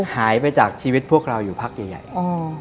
หายไปจากชีวิตพวกเราอยู่พักใหญ่